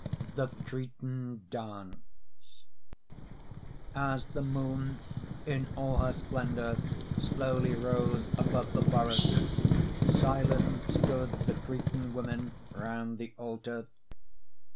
THE CRETAN DANCE As the moon in all her splendor Slowly rose above the forest, Silent stood the Cretan women Round the altar.